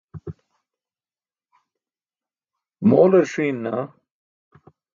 moolar ṣiin naa